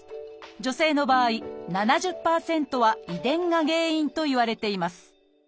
女性の場合７０％は遺伝が原因といわれています